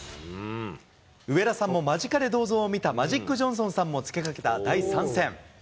上田さんも間近で銅像を見たマジック・ジョンソンさんも詰めかけた第３戦。